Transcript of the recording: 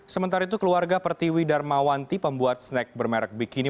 sementara itu keluarga pertiwi darmawanti pembuat snack bermerek bikini